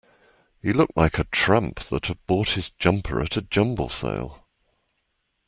He looked like a tramp that had bought his jumper at a jumble sale